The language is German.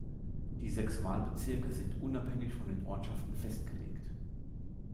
Die sechs Wahlbezirke sind unabhängig von den Ortschaften festgelegt.